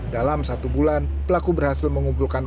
dalam satu bulan pelaku berhasil mengumpulkan